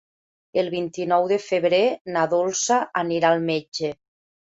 El vint-i-nou de febrer na Dolça anirà al metge.